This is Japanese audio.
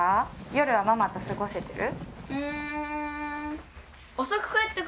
夜はママと過ごせてる？